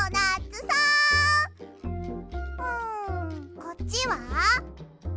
うんこっちは？